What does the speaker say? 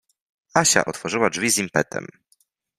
Asia otworzyła drzwi z impetem.